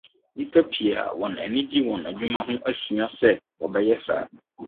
Nnipa pii a wɔn ani gye wɔn adwuma ho asua sɛ wɔbɛyɛ saa.